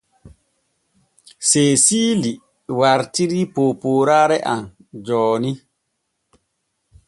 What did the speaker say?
Seesiili wartirii poopooraare am jooni.